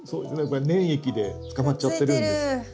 これ粘液で捕まっちゃってるんです。